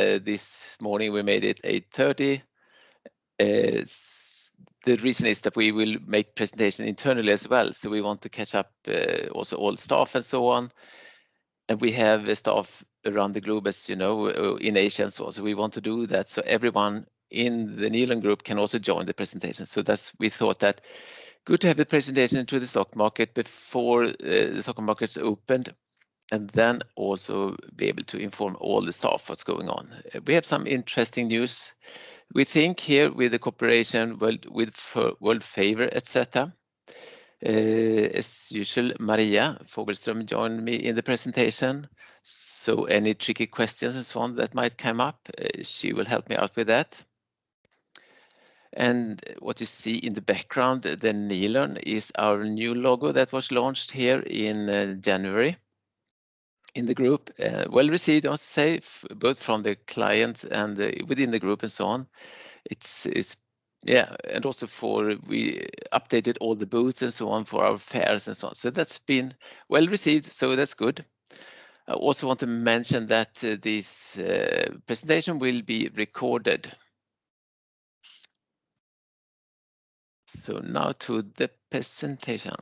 This morning, we made it 8:30 A.M. The reason is that we will make presentation internally as well, so we want to catch up also all staff and so on. And we have a staff around the globe, as you know, in Asia, and so we want to do that, so everyone in the Nilörn Group can also join the presentation. So we thought that good to have a presentation to the stock market before the stock markets opened, and then also be able to inform all the staff what's going on. We have some interesting news. We think here with the cooperation with Worldfavor, et cetera. As usual, Maria Fogelström joined me in the presentation, so any tricky questions and so on that might come up, she will help me out with that. What you see in the background, the Nilörn, is our new logo that was launched here in January in the group. Well-received, I'll say, both from the clients and within the group and so on. Yeah, and also for we updated all the booths and so on for our fairs and so on. So that's been well-received, so that's good. I also want to mention that this presentation will be recorded. So now to the presentation.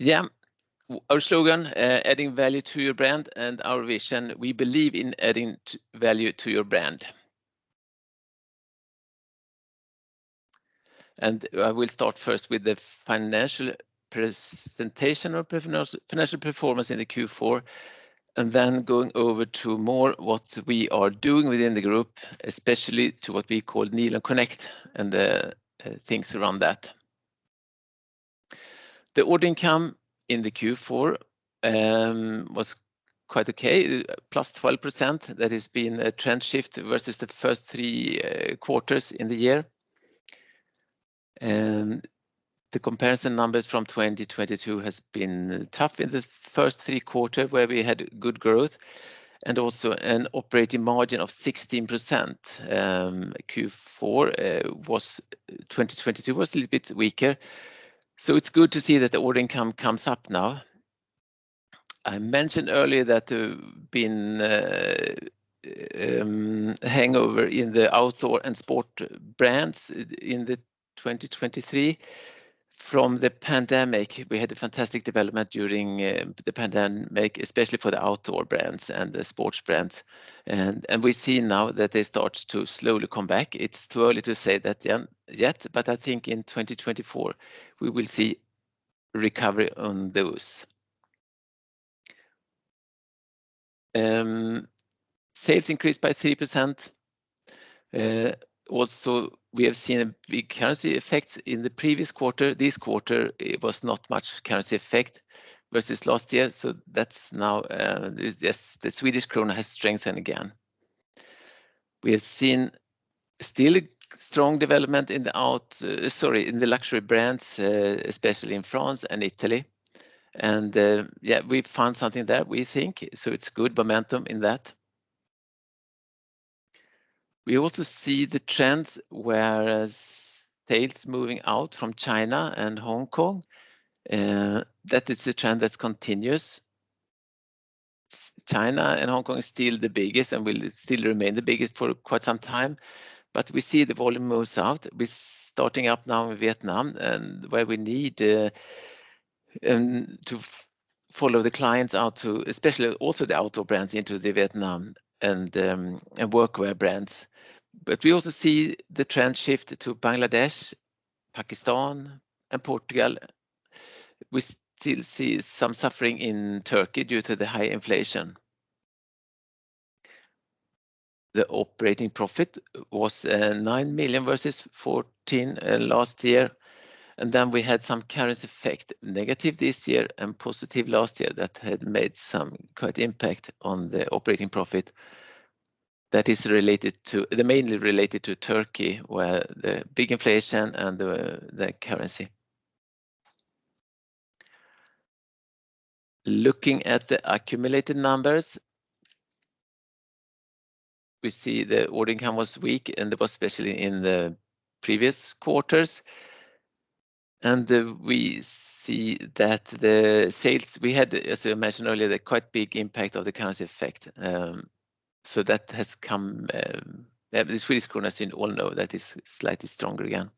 Yeah, our slogan, "Adding value to your brand," and our vision, "We believe in adding value to your brand." I will start first with the financial presentation or financial performance in the Q4, and then going over to more what we are doing within the group, especially to what we call Nilörn:CONNECT and things around that. The order income in the Q4 was quite okay, +12%. That has been a trend shift versus the first three quarters in the year. The comparison numbers from 2022 has been tough in the first three quarter, where we had good growth and also an operating margin of 16%. Q4 2022 was a little bit weaker, so it's good to see that the order income comes up now. I mentioned earlier that been a hangover in the outdoor and sport brands in the 2023. From the pandemic, we had a fantastic development during the pandemic, especially for the outdoor brands and the sports brands. We see now that they start to slowly come back. It's too early to say that yet, but I think in 2024, we will see recovery on those. Sales increased by 3%. Also, we have seen a big currency effect in the previous quarter. This quarter, it was not much currency effect versus last year, so that's now, yes, the Swedish krona has strengthened again. We have seen still a strong development in the luxury brands, especially in France and Italy, and, yeah, we found something there, we think, so it's good momentum in that. We also see the trends, whereas sales moving out from China and Hong Kong, that is a trend that continues. China and Hong Kong is still the biggest and will still remain the biggest for quite some time, but we see the volume moves out. We're starting up now in Vietnam, and where we need to follow the clients out to, especially also the outdoor brands, into the Vietnam and, and workwear brands. But we also see the trend shift to Bangladesh, Pakistan, and Portugal. We still see some suffering in Turkey due to the high inflation. The operating profit was 9 million versus 14 million last year, and then we had some currency effect, negative this year and positive last year, that had made some quite impact on the operating profit. That is mainly related to Turkey, where the big inflation and the currency. Looking at the accumulated numbers, we see the order income was weak, and it was especially in the previous quarters. We see that the sales we had, as I mentioned earlier, the quite big impact of the currency effect. So that has come, the Swedish krona, as you all know, that is slightly stronger again.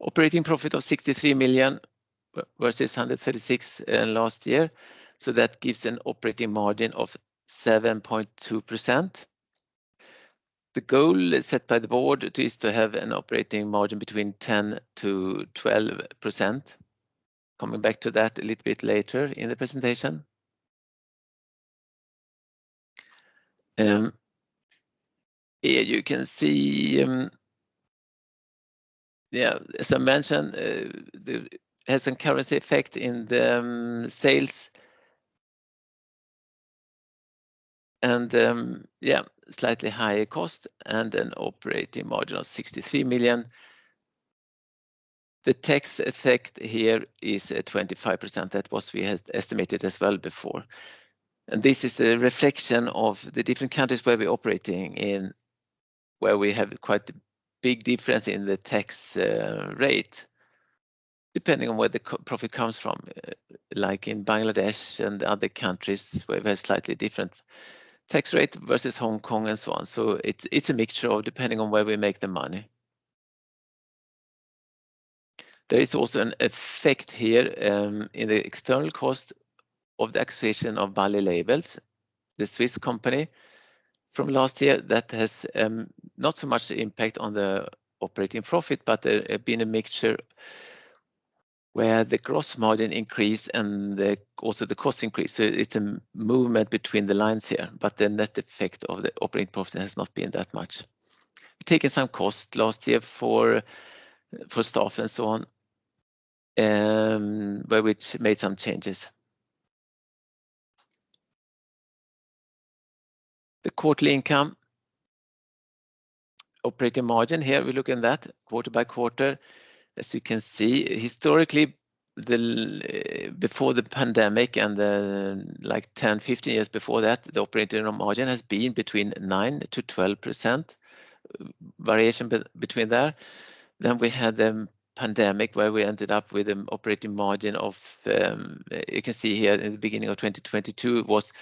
Operating profit of 63 million versus 136 million last year, so that gives an operating margin of 7.2%. The goal is set by the board is to have an operating margin between 10%-12%. Coming back to that a little bit later in the presentation. Here you can see, as I mentioned, the, there's some currency effect in the sales. And, slightly higher cost and an operating margin of 63 million. The tax effect here is at 25%, that was we had estimated as well before. This is a reflection of the different countries where we're operating in, where we have quite a big difference in the tax rate, depending on where the core profit comes from, like in Bangladesh and other countries, where we have slightly different tax rate versus Hong Kong and so on. So it's a mixture of depending on where we make the money. There is also an effect here in the external cost of the acquisition of Bally Labels, the Swiss company from last year, that has not so much impact on the operating profit, but been a mixture where the gross margin increase and the also the cost increase. So it's a movement between the lines here, but the net effect of the operating profit has not been that much. We've taken some cost last year for staff and so on, but which made some changes. The quarterly income operating margin, here we look in that quarter by quarter. As you can see, historically, the before the pandemic and then like 10, 15 years before that, the operating margin has been between 9%-12%, variation between there. Then we had the pandemic, where we ended up with an operating margin of, you can see here in the beginning of 2022, it was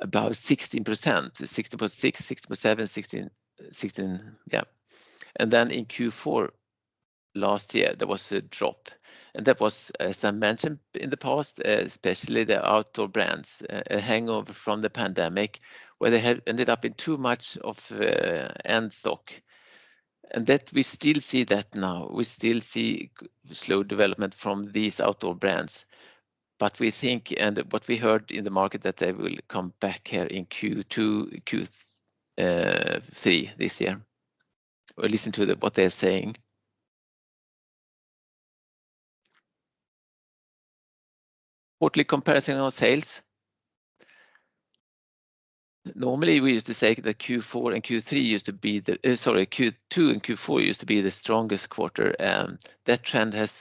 about 16%, 16.6%, 16.7%, 16%, 16%, yeah. And then in Q4 last year, there was a drop, and that was, as I mentioned in the past, especially the outdoor brands, a hangover from the pandemic, where they had ended up in too much of end stock. And that we still see that now. We still see slow development from these outdoor brands. But we think, and what we heard in the market, that they will come back here in Q2, Q3 this year. We'll listen to what they're saying. Quarterly comparison of sales. Normally, we used to say that Q4 and Q3 used to be the... Sorry, Q2 and Q4 used to be the strongest quarter, that trend has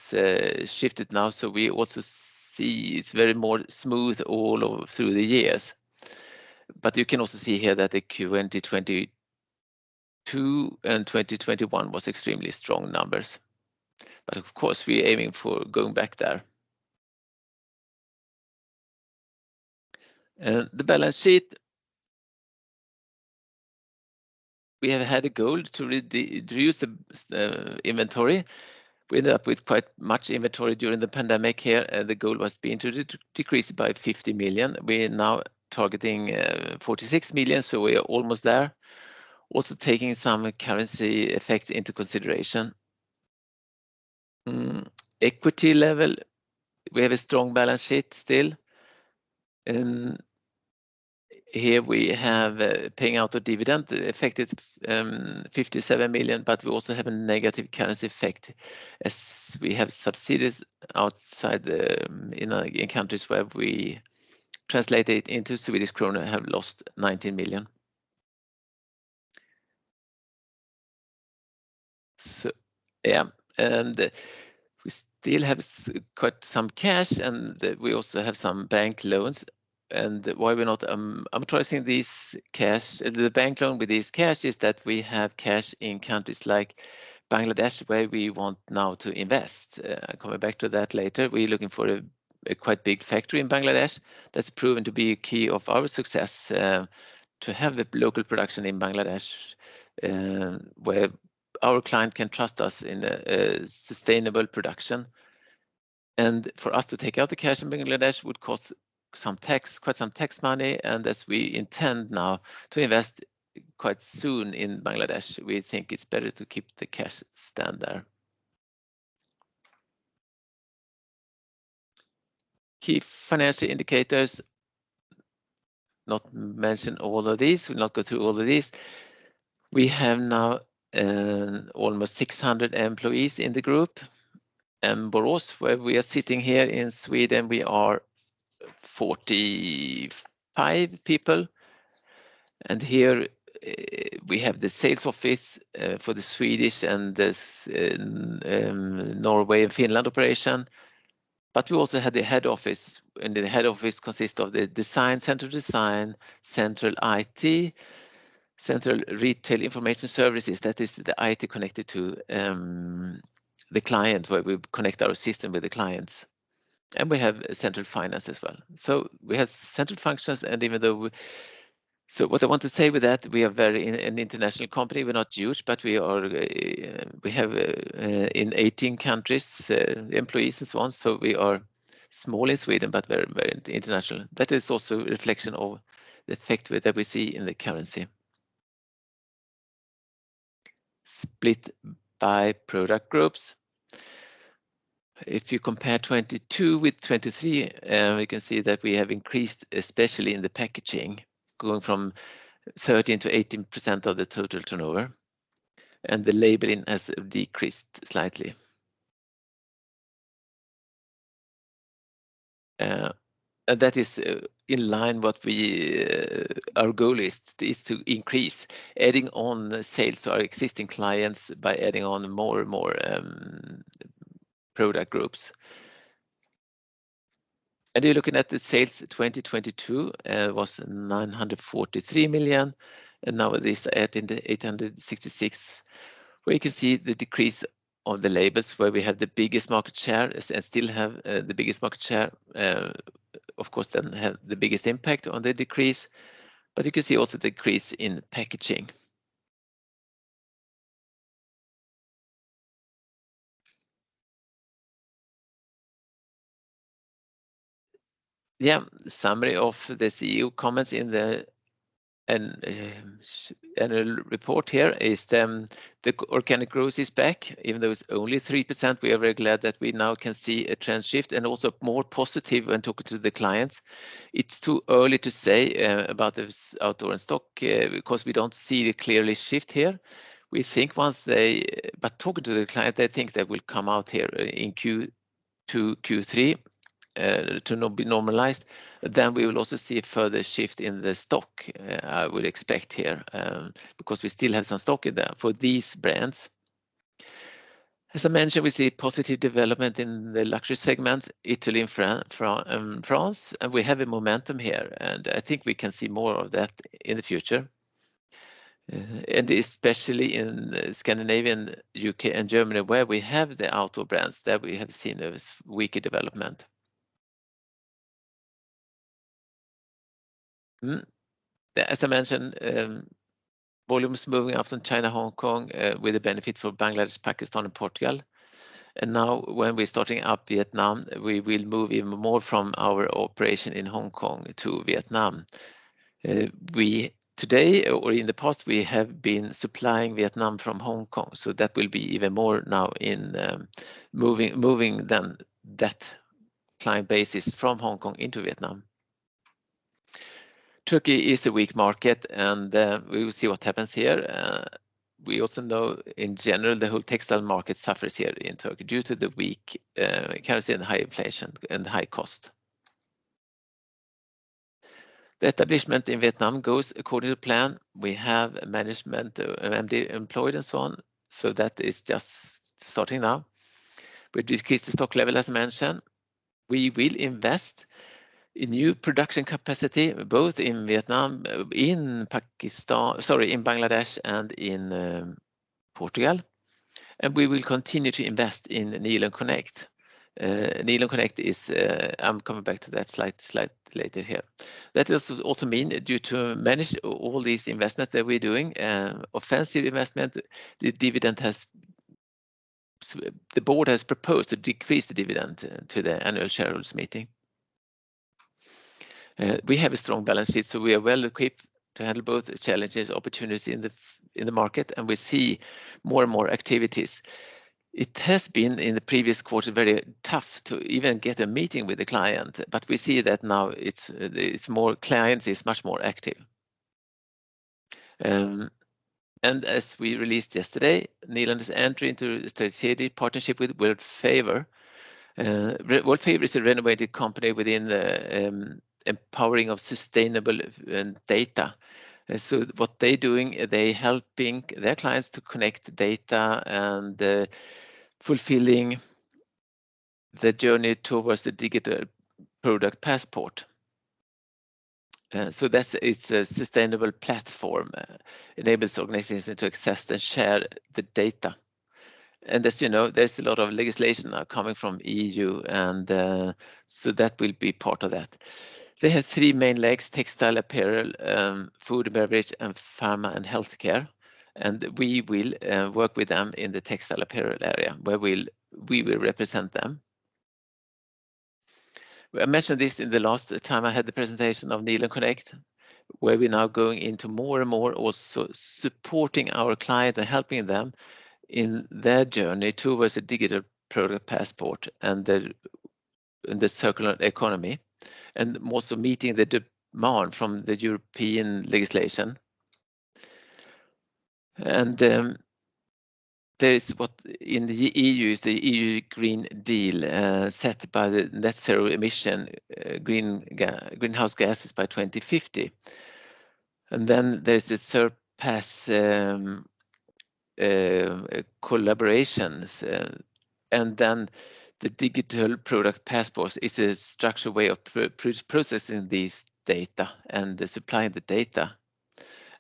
shifted now, so we also see it's very more smooth all through the years. But you can also see here that the Q 2022 and 2021 was extremely strong numbers. But of course, we're aiming for going back there. And the balance sheet, we have had a goal to reduce the inventory. We ended up with quite much inventory during the pandemic here, and the goal was being to decrease it by 50 million. We're now targeting 46 million, so we are almost there. Also, taking some currency effect into consideration. Equity level, we have a strong balance sheet still. Here we have paying out a dividend affected 57 million, but we also have a negative currency effect, as we have subsidiaries outside the... in countries where we translate it into Swedish krona have lost 19 million. So, yeah, and we still have quite some cash, and we also have some bank loans, and why we're not amortizing this cash, the bank loan with this cash, is that we have cash in countries like Bangladesh, where we want now to invest. Coming back to that later, we're looking for a quite big factory in Bangladesh. That's proven to be a key of our success, to have a local production in Bangladesh, where our client can trust us in a sustainable production. And for us to take out the cash in Bangladesh would cost some tax, quite some tax money, and as we intend now to invest quite soon in Bangladesh, we think it's better to keep the cash stay there. Key financial indicators, not mention all of these, we'll not go through all of these. We have now, almost 600 employees in the group, and Borås, where we are sitting here in Sweden, we are 45 people, and here, we have the sales office, for the Swedish and this, Norway and Finland operation. But we also have the head office, and the head office consists of the design, central design, central IT, central Retail Information Services, that is the IT connected to, the client, where we connect our system with the clients. And we have central finance as well. So we have central functions, and even though... So what I want to say with that, we are very an international company. We're not huge, but we are, we have, in 18 countries, employees as well. So we are small in Sweden, but very, very international. That is also a reflection of the effect that we see in the currency. Split by product groups. If you compare 2022 with 2023, you can see that we have increased, especially in the packaging, going from 13%-18% of the total turnover, and the labeling has decreased slightly. And that is in line what we, our goal is, is to increase adding on the sales to our existing clients by adding on more and more, product groups. And you're looking at the sales, 2022 was 943 million, and now this adding the 866 million, where you can see the decrease of the labels where we have the biggest market share and still have the biggest market share, of course, then have the biggest impact on the decrease, but you can see also decrease in packaging. Yeah, summary of the CEO comments in the annual report here is, the organic growth is back, even though it's only 3%, we are very glad that we now can see a trend shift and also more positive when talking to the clients. It's too early to say about this outdoor and stock because we don't see the clear shift here. We think once they, but talking to the client, they think they will come out here in Q2, Q3 to be normalized. Then we will also see a further shift in the stock, I would expect here, because we still have some stock in there for these brands. As I mentioned, we see positive development in the luxury segment, Italy and France, and we have a momentum here, and I think we can see more of that in the future. And especially in Scandinavia, U.K., and Germany, where we have the outdoor brands that we have seen those weaker development. As I mentioned, volumes moving out from China, Hong Kong, with a benefit for Bangladesh, Pakistan, and Portugal. And now when we're starting up Vietnam, we will move even more from our operation in Hong Kong to Vietnam. We today or in the past, we have been supplying Vietnam from Hong Kong, so that will be even more now in moving then that client basis from Hong Kong into Vietnam. Turkey is a weak market, and we will see what happens here. We also know in general, the whole textile market suffers here in Turkey due to the weak currency and high inflation and high cost. The establishment in Vietnam goes according to plan. We have a management, MD employed and so on, so that is just starting now. We decrease the stock level, as mentioned. We will invest in new production capacity, both in Vietnam, in Pakistan, sorry, in Bangladesh, and in Portugal, and we will continue to invest in Nilörn:CONNECT. Nilörn:CONNECT is, I'm coming back to that slide, slide later here. That is also mean due to manage all these investments that we're doing, offensive investment, the dividend has, the board has proposed to decrease the dividend to the annual shareholders meeting. We have a strong balance sheet, so we are well equipped to handle both challenges, opportunities in the market, and we see more and more activities. It has been, in the previous quarter, very tough to even get a meeting with the client, but we see that now it's, it's more clients is much more active. And as we released yesterday, Nilörn is entering into a strategic partnership with Worldfavor. Worldfavor is a renowned company within the empowering of sustainable data. So what they doing, they helping their clients to connect data and fulfilling the journey towards the Digital Product Passport. So that's, it's a sustainable platform, enables organizations to access and share the data. And as you know, there's a lot of legislation now coming from EU, and so that will be part of that. They have three main legs, textile apparel, food, beverage, and pharma and healthcare, and we will work with them in the textile apparel area, where we will represent them. I mentioned this in the last time I had the presentation of Nilörn:CONNECT, where we're now going into more and more, also supporting our client and helping them in their journey towards a digital product passport and the, and the circular economy, and also meeting the demand from the European legislation. There is what in the EU is the EU Green Deal, set by the net zero emission, greenhouse gases by 2050. And then there's the various collaborations, and then the Digital Product Passport is a structured way of processing this data and supplying the data,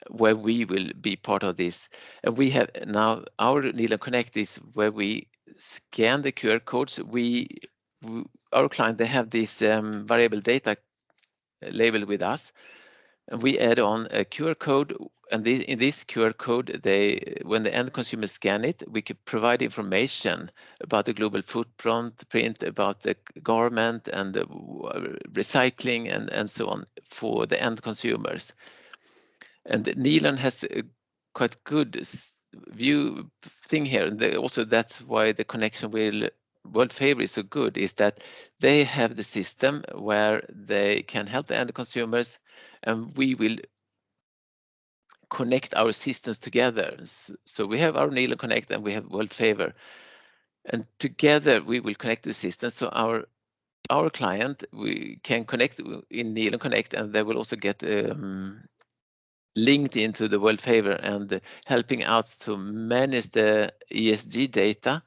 where we will be part of this. And we have now our Nilörn:CONNECT is where we scan the QR codes. We, our client, they have this variable data label with us, and we add on a QR code, and this, in this QR code, they, when the end consumer scan it, we could provide information about the global footprint, about the government and the recycling, and so on for the end consumers. Nilörn has a quite good view thing here. Also, that's why the connection with Worldfavor is so good, is that they have the system where they can help the end consumers, and we will connect our systems together. So we have our Nilörn:CONNECT, and we have Worldfavor. Together, we will connect the systems, so our client, we can connect in Nilörn:CONNECT, and they will also get linked into the Worldfavor and helping out to manage the ESG data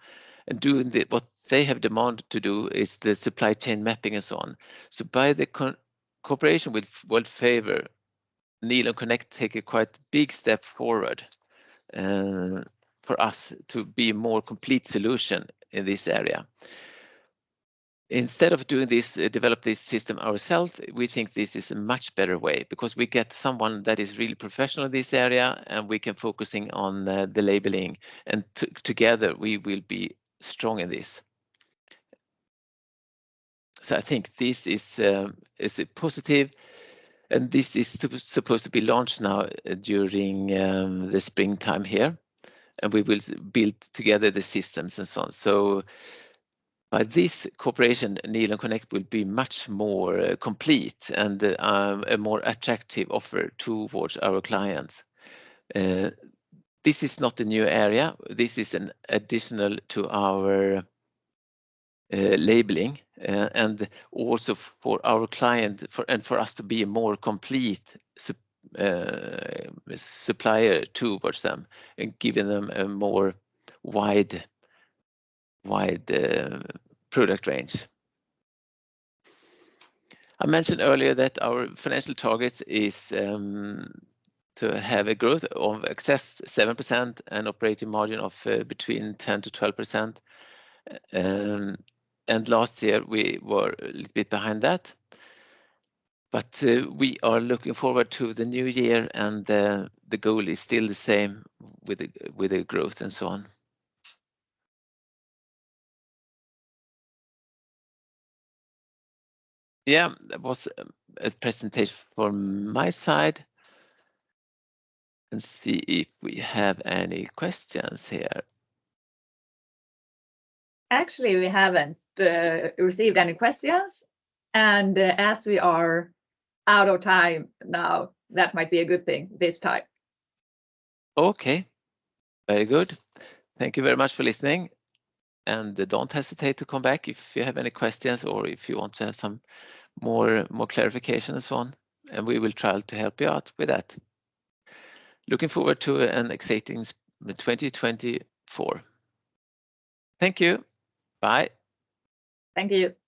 and doing what they have demanded to do is the supply chain mapping and so on. So by the cooperation with Worldfavor, Nilörn:CONNECT take a quite big step forward for us to be more complete solution in this area. Instead of doing this, develop this system ourselves, we think this is a much better way because we get someone that is really professional in this area, and we can focusing on the labeling, and together, we will be strong in this. So I think this is a positive, and this is supposed to be launched now during the springtime here, and we will build together the systems and so on. So by this cooperation, Nilörn:CONNECT will be much more complete and a more attractive offer towards our clients. This is not a new area. This is an additional to our labeling, and also for our client, for, and for us to be a more complete supplier towards them and giving them a more wide, wide product range. I mentioned earlier that our financial targets is to have a growth of excess 7% and operating margin of between 10%-12%. And last year, we were a little bit behind that. But, we are looking forward to the new year, and the goal is still the same with the growth and so on. Yeah, that was a presentation from my side. Let's see if we have any questions here. Actually, we haven't received any questions, and as we are out of time now, that might be a good thing this time. Okay. Very good. Thank you very much for listening, and don't hesitate to come back if you have any questions or if you want to have some more clarification and so on, and we will try to help you out with that. Looking forward to an exciting 2024. Thank you. Bye. Thank you.